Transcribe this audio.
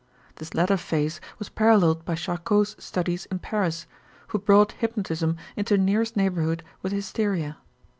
This latter phase was paralleled by Charcot's studies in Paris, who brought hypnotism into nearest neighborhood with hysteria.